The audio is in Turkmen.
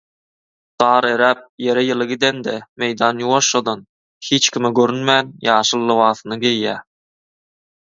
Gar eräp, ýere ýyly gidende, meýdan ýuwaşjadan, hiç kime görünmän, ýaşyl lybasyny geýýär.